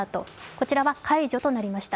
こちらは解除となりました。